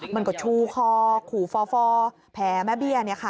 มันกระชูคอขูฟอฟอแผลแม่เบี้ยนี่ค่ะ